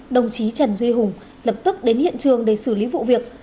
đồng chí trần duy hùng lập tức đến hiện trường để xử lý vụ việc